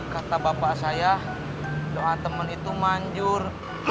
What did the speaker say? kata bapak saya doa teman itu manjur